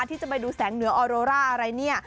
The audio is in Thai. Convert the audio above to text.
ที่จะไปดูแสงเหนือออโรร่าอะไรเนี่ย